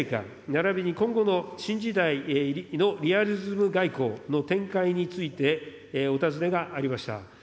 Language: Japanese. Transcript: ならびに今後の新時代のリアリズム外交の展開についてお尋ねがありました。